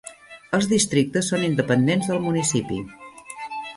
Els districtes són independents del municipi.